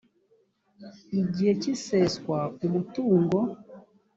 igihe cy iseswa umutungo